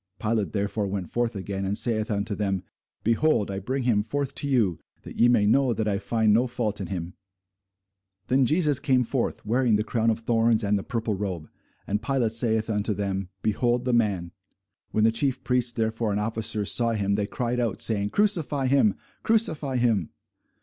Pilate therefore went forth again, and saith unto them, Behold, I bring him forth to you, that ye may know that I find no fault in him. Then came Jesus forth, wearing the crown of thorns, and the purple robe. And Pilate saith unto them, Behold the man! When the chief priests therefore and officers saw him, they cried out, saying, Crucify him, crucify him.